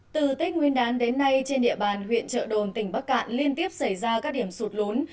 từ tết nguyên đán đến nay trên địa bàn huyện trợ đồn tỉnh bắc cạn liên tiếp xảy ra các điểm sụt lún